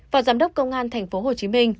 phó giám đốc công an thành phố hồ chí minh